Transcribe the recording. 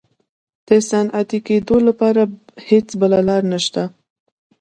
د صنعتي کېدو لپاره هېڅ بله لار نشته.